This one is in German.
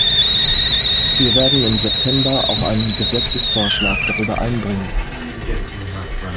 Wir werden im September auch einen Gesetzesvorschlag darüber einbringen.